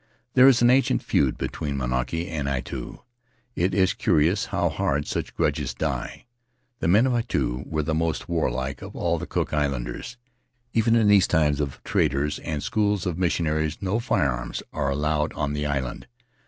There is an ancient feud between Mauke and Atiu; it is curious how hard such grudges die. The men of Atiu were the most warlike of all the Cook Islanders; even in these times of traders and schools and missionaries no firearms are allowed on the island.